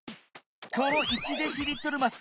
この１デシリットルます